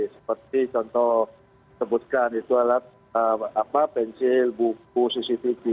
seperti contoh sebutkan itu alat pensil buku cctv